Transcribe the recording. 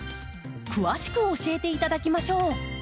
詳しく教えていただきましょう。